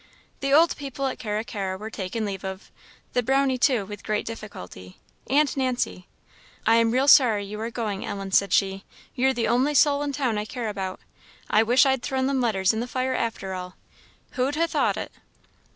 The old people at Carra carra were taken leave of; the Brownie too with great difficulty. And Nancy. "I am real sorry you are going, Ellen," said she "you're the only soul in town I care about. I wish I'd thrown them letters in the fire after all! Who'd ha' thought it?"